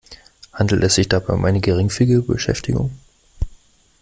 Handelt es sich dabei um eine geringfügige Beschäftigung?